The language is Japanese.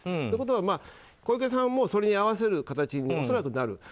ということは、小池さんもそれに合わせる形に恐らくなる。